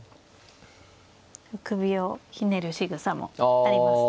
首をひねるしぐさもありますね。